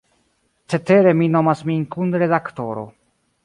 Cetere mi nomas min "kun-redaktoro".